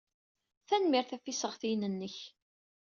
Tanemmirt ɣef yisseɣtiyen-nnek.